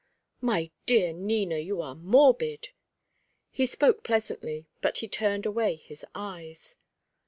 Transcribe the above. "My dear Nina, you are morbid." He spoke pleasantly, but he turned away his eyes.